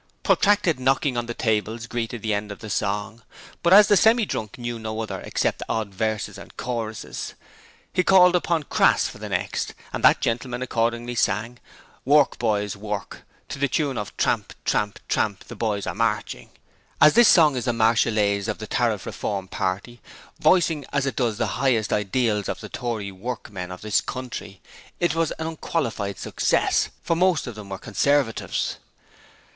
Protracted knocking on the tables greeted the end of the song, but as the Semi drunk knew no other except odd verses and choruses, he called upon Crass for the next, and that gentleman accordingly sang 'Work, Boys, Work' to the tune of 'Tramp, tramp, tramp, the boys are marching'. As this song is the Marseillaise of the Tariff Reform Party, voicing as it does the highest ideals of the Tory workmen of this country, it was an unqualified success, for most of them were Conservatives.